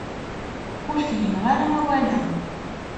Ur fhimeɣ ara awal-a.